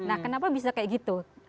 nah kenapa bisa seperti itu